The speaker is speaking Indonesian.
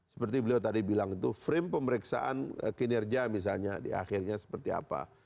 seperti beliau tadi bilang itu frame pemeriksaan kinerja misalnya di akhirnya seperti apa